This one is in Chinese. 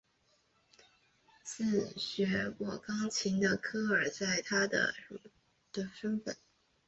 自学过钢琴的科尔在他的嘻哈乐生涯中扮演着制作人的身份。